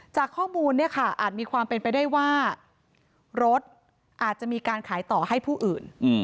จากข้อมูลเนี่ยค่ะอาจมีความเป็นไปได้ว่ารถอาจจะมีการขายต่อให้ผู้อื่น